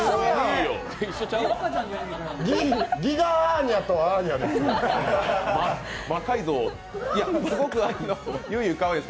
ギガアーニャとアーニャです。